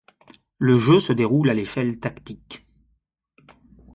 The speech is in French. Le jeu se déroule à l’échelle tactique.